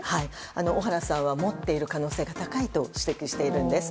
小原さんは持っている可能性が高いと指摘しているんです。